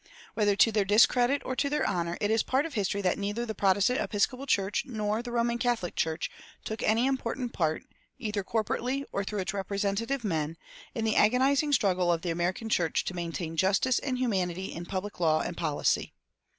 Whether to their discredit or to their honor, it is part of history that neither the Protestant Episcopal Church nor the Roman Catholic Church took any important part, either corporately or through its representative men, in the agonizing struggle of the American church to maintain justice and humanity in public law and policy.